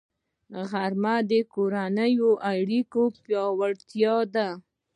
غرمه د کورنیو اړیکو پیاوړتیا ده